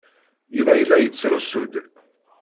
Yuba yella yettrusu-d.